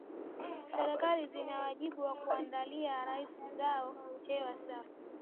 Serikali zina wajibu wa kuwaandalia raia zao hewa safi